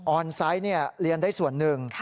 ออนไซต์เนี่ยเรียนได้ส่วนหนึ่ง